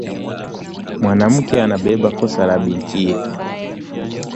Mwanamke anabeba kosa la bintiye